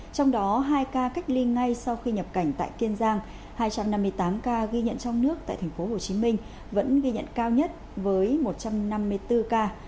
trong đó hai ca cách ly ngay sau khi nhập cảnh tại kiên giang hai trăm năm mươi tám ca ghi nhận trong nước tại tp hcm vẫn ghi nhận cao nhất với một trăm năm mươi bốn ca